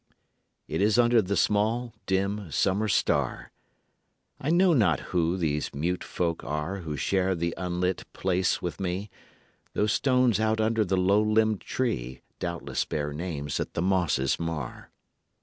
It is under the small, dim, summer star. I know not who these mute folk are Who share the unlit place with me Those stones out under the low limbed tree Doubtless bear names that the mosses mar.